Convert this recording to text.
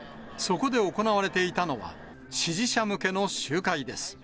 そこで行われていたのは支持者向けの集会です。